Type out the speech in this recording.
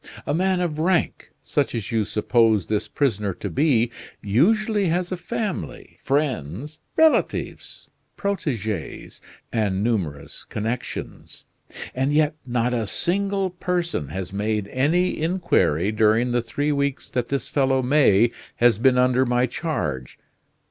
A man of rank, such as you suppose this prisoner to be, usually has a family, friends, relatives, proteges, and numerous connections; and yet not a single person has made any inquiry during the three weeks that this fellow May has been under my charge!